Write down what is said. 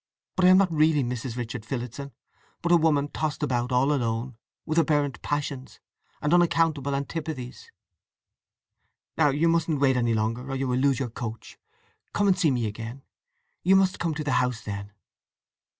But I am not really Mrs. Richard Phillotson, but a woman tossed about, all alone, with aberrant passions, and unaccountable antipathies… Now you mustn't wait longer, or you will lose the coach. Come and see me again. You must come to the house then."